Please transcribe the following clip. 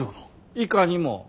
いかにも。